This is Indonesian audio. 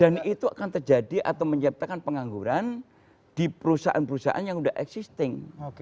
dan itu akan terjadi atau menyertakan pengangguran di perusahaan perusahaan yang sudah existing